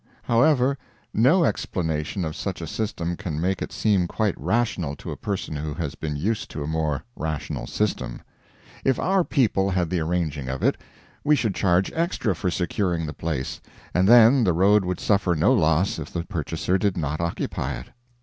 However, no explanation of such a system can make it seem quite rational to a person who has been used to a more rational system. If our people had the arranging of it, we should charge extra for securing the place, and then the road would suffer no loss if the purchaser did not occupy it.